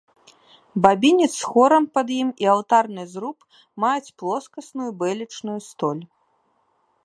Бабінец з хорамі пад ім і алтарны зруб маюць плоскасную бэлечную столь.